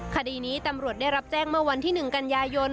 คดีนี้ตำรวจได้รับแจ้งเมื่อวันที่๑กันยายน